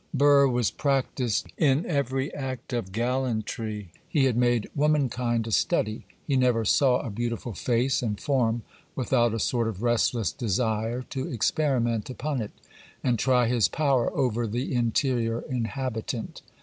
Burr was practised in every act of gallantry; he had made womankind a study: he never saw a beautiful face and form without a sort of restless desire to experiment upon it, and try his power over the interior inhabitant.